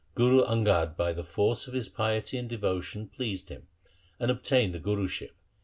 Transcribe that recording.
Guru Angad by the force of his piety and devotion pleased him, and obtained the Guruship.